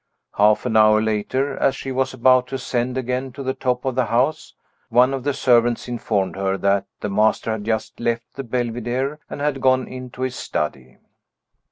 Half an hour later, as she was about to ascend again to the top of the house, one of the servants informed her that "the master had just left the Belvidere, and had gone into his study."